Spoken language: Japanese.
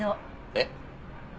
えっ？